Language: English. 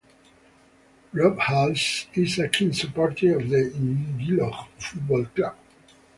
Rob Hulls is a keen supporter of the Geelong Football Club.